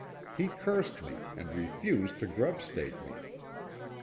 He cursed me, and refused to grub stake me.